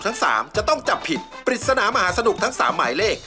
ถึงมีคุณที่จะมาได้ได้เลข